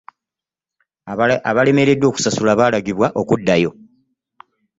Abalemereddwa okusasula balagirwa okuddayo.